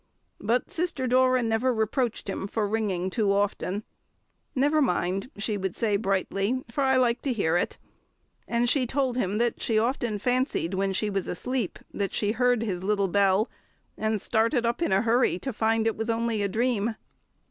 But Sister Dora never reproached him for ringing too often. "Never mind," she would say brightly, "for I like to hear it;" and she told him that she often fancied when she was asleep that she heard his little bell, and started up in a hurry to find it was only a dream.